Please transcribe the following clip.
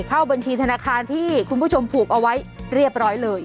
เข้าบัญชีธนาคารที่คุณผู้ชมผูกเอาไว้เรียบร้อยเลย